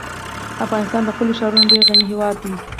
افغانستان په خپلو ښارونو ډېر غني هېواد دی.